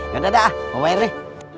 yaudah dah mau bayar deh